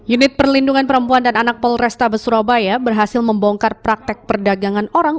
unit perlindungan perempuan dan anak polrestabes surabaya berhasil membongkar praktek perdagangan orang